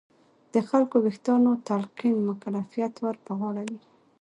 د خلکو ویښتیا تلقین مکلفیت ور په غاړه وي.